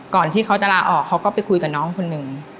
ก่อนที่เขาจะลาออกเขาก็ไปคุยกับน้องคนหนึ่ง